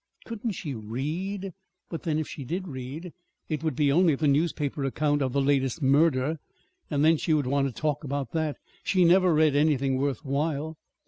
Couldn't she read? But, then, if she did read, it would be only the newspaper account of the latest murder; and then she would want to talk about that. She never read anything worth while.